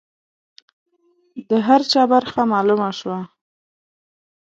د هر چا برخه معلومه شوه.